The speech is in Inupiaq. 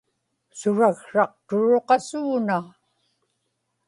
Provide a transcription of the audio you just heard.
suraksraqturuq asuuna